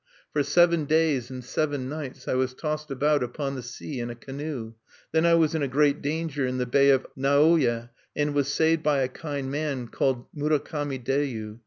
"For seven days and seven nights I was tossed about upon the sea in a canoe; then I was in a great danger in the bay of Nawoye, and was saved by a kind man called Murakami Deyu.